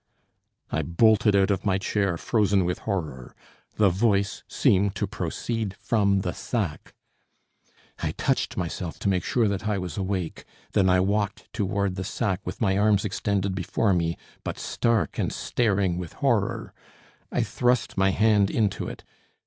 I bolted out of my chair, frozen with horror. The voice seemed to proceed from the sack! I touched myself to make sure that I was awake; then I walked toward the sack with my arms extended before me, but stark and staring with horror. I thrust my hand into it.